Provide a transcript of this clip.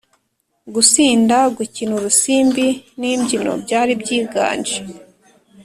gusinda, gukina urusimbi n’imbyino byari byiganje,